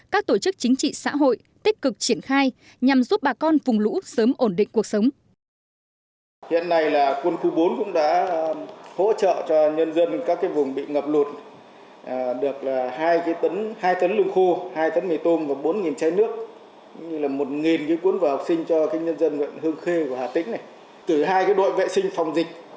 các tổ chức chính trị xã hội tích cực triển khai nhằm giúp bà con vùng lũ sớm ổn định cuộc sống